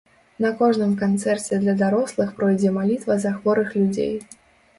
На кожным канцэрце для дарослых пройдзе малітва за хворых людзей.